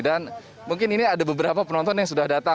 dan mungkin ini ada beberapa penonton yang sudah datang